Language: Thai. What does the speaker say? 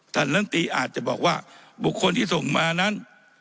ลำตีอาจจะบอกว่าบุคคลที่ส่งมานั้น